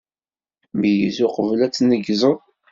Meyyez uqbel ara tnegzeḍ.